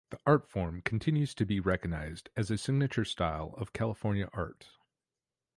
The art form continues to be recognized as a signature style of California art.